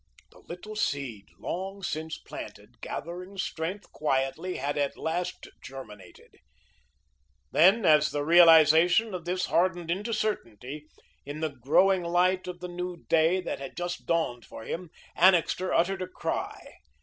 The little seed, long since planted, gathering strength quietly, had at last germinated. Then as the realisation of this hardened into certainty, in the growing light of the new day that had just dawned for him, Annixter uttered a cry.